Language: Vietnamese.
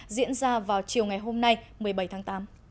diễn ra vào chiều ngày hôm nay một mươi bảy tháng tám